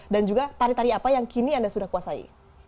dan juga tari tari apa yang kini anda sudah kuasai